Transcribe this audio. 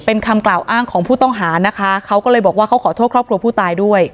เป็นคำกล่าวอ้างของผู้ต้องหานะคะเขาก็เลยบอกว่าเขาขอโทษครอบครัวผู้ตายด้วย